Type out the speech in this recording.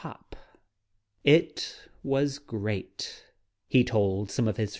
try was great, he told some of his ^^